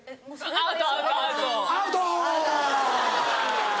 アウト？